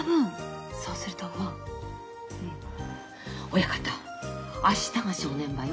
親方明日が正念場よ。